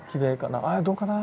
ああどうかな。